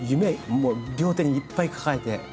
もう両手にいっぱい抱えて。